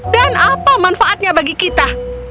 dan apa manfaatnya bagi kita